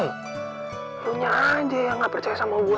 lu nya aja yang gak percaya sama gue